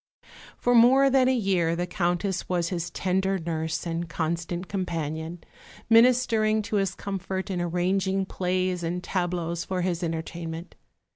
For more than a year the Countess was his tender nurse and constant companion, ministering to his comfort and arranging plays and tableaux for his entertainment.